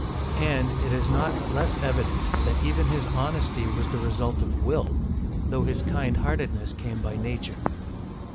And it is not less evident that even his honesty was the result of will, though his kind heartedness came by nature.